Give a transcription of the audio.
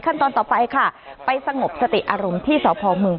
ขั้นตอนต่อไปค่ะไปสงบสติอารมณ์ที่สพมพัทยา